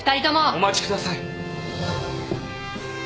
お待ちください。